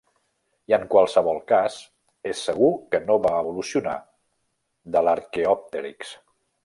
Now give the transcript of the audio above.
I en qualsevol cas, és segur que no va evolucionar de l'arqueòpterix.